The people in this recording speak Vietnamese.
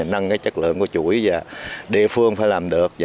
nâng chất lượng của chuỗi và địa phương phải làm được